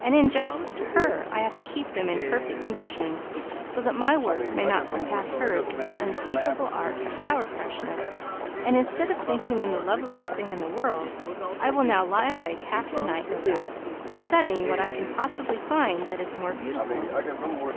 In justice to her, I have to keep them in perfect condition so that my work may not surpass hers with the unspeakable art of flower freshness; while instead of thinking them the loveliest thing in the world, I will now lie awake half the night, no doubt, studying what I can possibly find that is more beautiful."